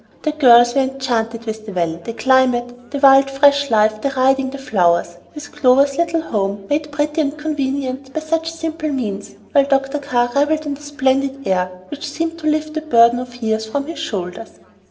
The girls were enchanted with the Valley, the climate, the wild fresh life, the riding, the flowers, with Clover's little home made pretty and convenient by such simple means, while Dr. Carr revelled in the splendid air, which seemed to lift the burden of years from his shoulders.